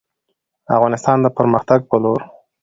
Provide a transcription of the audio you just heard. افغانستان د پرمختګ په لور